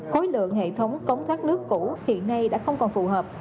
khối lượng hệ thống cống thoát nước cũ hiện nay đã không còn phù hợp